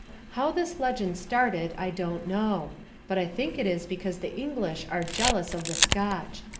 How this legend started I don't know, but I think it is because the English are jealous of the Scotch.